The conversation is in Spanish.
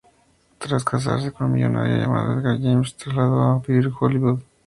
Tras casarse con un millonario llamado Edgar James, se trasladó a vivir a Hollywood.